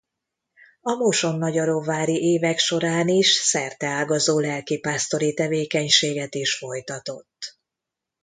A mosonmagyaróvári évek során is szerteágazó lelkipásztori tevékenységet is folytatott.